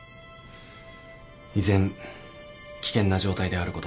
依然危険な状態であることは事実です。